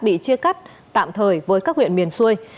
bị chia cắt tạm thời với các huyện miền xuôi